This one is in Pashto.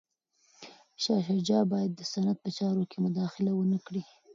شاه شجاع باید د سند په چارو کي مداخله ونه کړي.